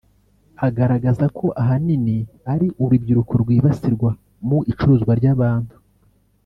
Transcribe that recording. Agaragaza ko ahanini ari urubyiruko rwibasirwa mu icuruzwa ry’abantu